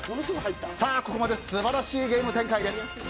ここまで素晴らしいゲーム展開です。